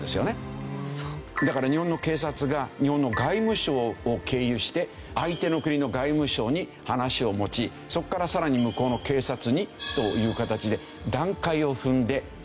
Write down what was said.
だから日本の警察が日本の外務省を経由して相手の国の外務省に話をもちそこからさらに向こうの警察にという形で段階を踏んで。